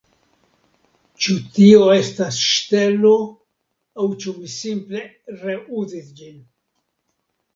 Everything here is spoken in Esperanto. Ĉu tio estas ŝtelo aŭ ĉu mi simple reuzis ĝin